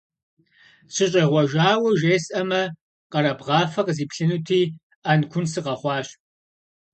СыщӀегъуэжауэ жесӀэмэ, къэрабгъафэ къызиплъынути, Ӏэнкун сыкъэхъуащ.